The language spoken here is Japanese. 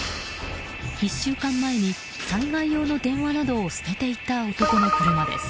１週間前に、災害用の電話などを捨てていった男の車です。